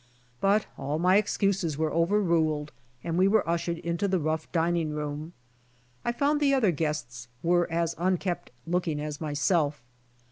But all my excuses were over ruled, and we were ushered into the rough dining room. I found the other guests were as unkempt looking as myself.